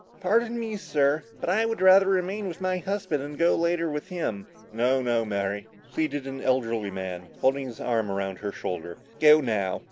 "Pardon me, sir, but I would rather remain with my husband, and go later with him." "No no, Mary," pleaded an elderly man, holding his arm around her shoulder. "Go now.